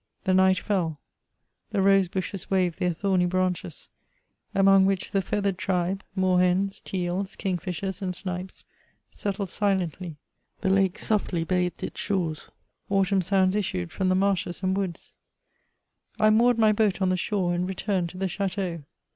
The night fell ; the rose bushes waved their thorny branches^ among which the feathered' tribe, moor hens, teals, king fishers, and snipes, settled silently ; the lake softly bathed its X ^^ 138 MEMOIRS OF shores ; autumn sounds issued from the marshes and woods ; I moored my hoat on the shore, and returned to the chdieau.